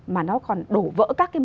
mà nó còn đổ vỡ các cái mục đích